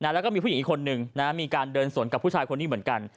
แล้วก็มีผู้หญิงอีกคนนึงมีการเดินสวนกับผู้ชายคนนี้เหมือนกัน